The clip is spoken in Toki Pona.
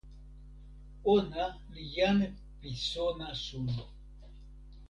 ona li jan pi sona suno.